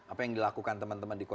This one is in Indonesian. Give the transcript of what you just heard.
apa yang dilakukan teman teman di